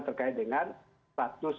terkait dengan status